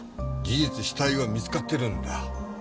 事実死体は見つかってるんだ。